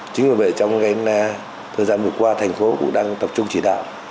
chính vì vậy trong thời gian vừa qua thành phố cũng đang tập trung chỉ đạo